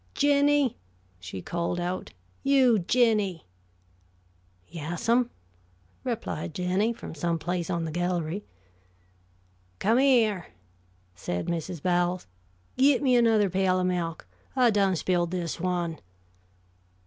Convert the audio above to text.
"Jinny," she called out, "you, Jinny!" "Yassam," replied Jinny, from some place on the gallery. "Come here," said Mrs. Bowles. "Git me another pail o' melk. I done spilled this one."